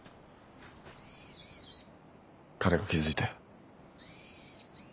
彼が気付いて。